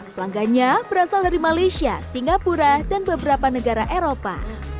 pelanggannya berasal dari malaysia singapura dan beberapa negara eropa